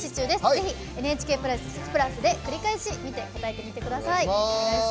ぜひ「ＮＨＫプラス」で繰り返し見て答えてみてください。